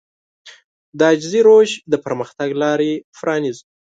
د عاجزي روش د پرمختګ لارې پرانيزي.